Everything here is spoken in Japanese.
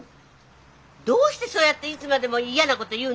どうしてそうやっていつまでも嫌なこと言うの？